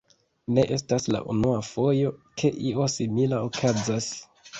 Ne estas la unua fojo, ke io simila okazas.